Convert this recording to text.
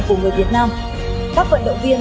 của người việt nam các vận động viên